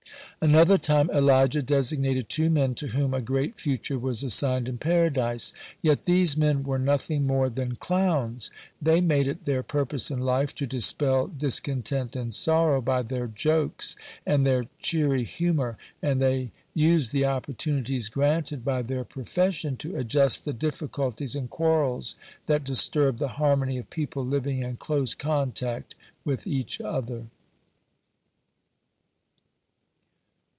Another time Elijah designated two men to whom a great future was assigned in Paradise. Yet these men were nothing more than clowns! They made it their purpose in life to dispel discontent and sorrow by their jokes and their cheery humor, and they used the opportunities granted by their profession to adjust the difficulties and quarrels that disturb the harmony of people living in close contact with each other.